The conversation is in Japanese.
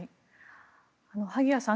萩谷さん